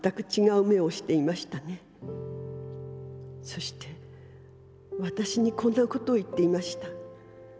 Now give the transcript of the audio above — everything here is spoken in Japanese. そして私にこんなことを言っていました。